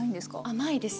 甘いです。